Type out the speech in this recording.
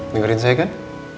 dengarin saya kan